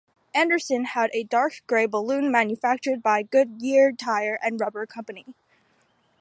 Anderson had a dark gray balloon manufactured by Goodyear Tire and Rubber Company.